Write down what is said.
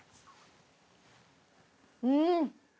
うん！